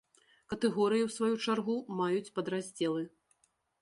Катэгорыі, у сваю чаргу, маюць падраздзелы.